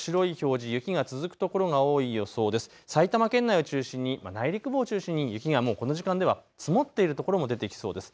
埼玉県内を中心に、内陸部を中心に雪がもうこの時間では積もっているところも出てきそうです。